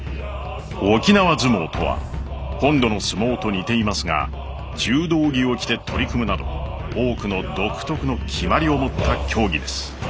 沖縄角力とは本土の角力と似ていますが柔道着を着て取り組むなど多くの独特の決まりを持った競技です。